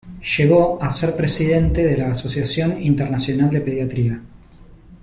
Llegó a ser presidente de la Asociación Internacional de Pediatría.